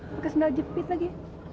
pake sandal jepit lagi